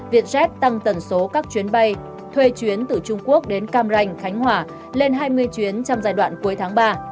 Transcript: vietjet tăng tần số các chuyến bay thuê chuyến từ trung quốc đến cam ranh khánh hòa lên hai mươi chuyến trong giai đoạn cuối tháng ba